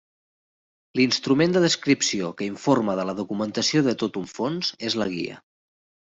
L'instrument de descripció que informa de la documentació de tot un fons és la guia.